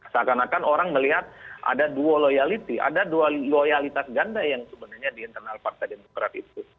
seakan akan orang melihat ada dua loyalti ada dua loyalitas ganda yang sebenarnya di internal partai demokrat itu